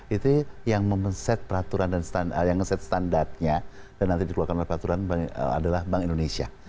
itu yang membeset peraturan dan set standarnya dan nanti dikeluarkan oleh peraturan adalah bank indonesia